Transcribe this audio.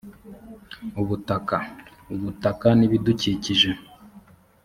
ubutaka ubutaka n ibidukikije